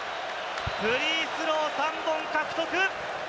フリースロー、３本獲得。